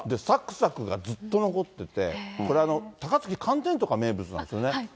さくさくがずっと残ってて、これ、高槻、寒天とか名物なんですよね。